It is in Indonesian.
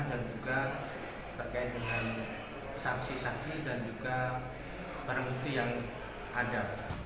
juga terkait dengan saksi saksi dan juga barang bukti yang ada